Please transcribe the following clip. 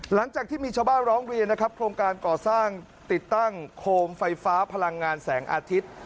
หลังจากที่มีชาวบ้านร้องเรียนนะครับโครงการก่อสร้างติดตั้งโคมไฟฟ้าพลังงานแสงอาทิตย์